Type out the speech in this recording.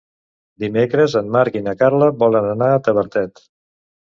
Dimecres en Marc i na Carla volen anar a Tavertet.